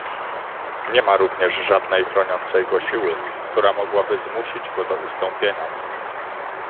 Nie ma również żadnej chroniącej go siły, która mogłaby zmusić go do ustąpienia